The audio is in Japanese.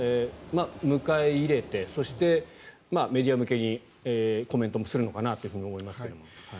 迎え入れてそしてメディア向けにコメントもするのかなと思いますが。